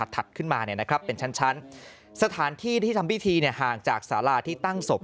ถัดขึ้นมาเป็นชั้นสถานที่ที่ทำพิธีห่างจากสาราที่ตั้งศพ